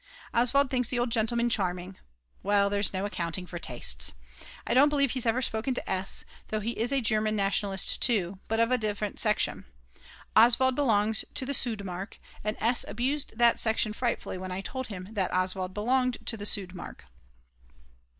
Oswald thinks the old gentleman charming; well, there's no accounting for tastes. I don't believe he's ever spoken to S., though he is a German Nationalist too, but of a different section; Oswald belongs to the Sudmark, and S. abused that section frightfully when I told him that Oswald belonged to the Sudmark.